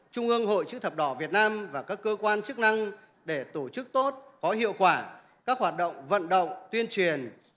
trung ương hội chữ thập đỏ việt nam và các cơ quan chức năng để tổ chức tốt có hiệu quả các hoạt động vận động tuyên truyền